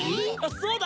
そうだ！